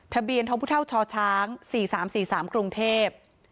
ทะเบียนทพชช๔๓๔๓กรุงเทพ